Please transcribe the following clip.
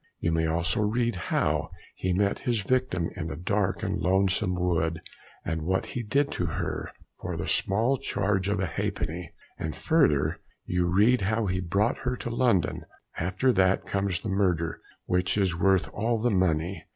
You may also read how he met his victim in a dark and lonesome wood, and what he did to her for the small charge of a ha'penny; and, further, you read how he brought her to London, after that comes the murder, which is worth all the money.